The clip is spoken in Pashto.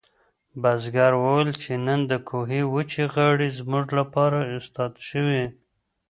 بزګر وویل چې نن د کوهي وچې غاړې زموږ لپاره استاد شوې.